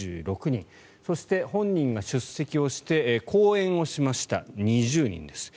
そして、本人が出席をして講演をしました、２０人です。